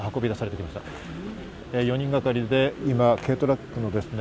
４人がかりで今、軽トラックのですね